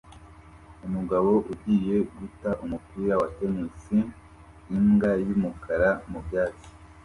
umugabo ugiye guta umupira wa tennis imbwa yumukara mubyatsi